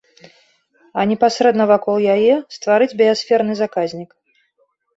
А непасрэдна вакол яе стварыць біясферны заказнік.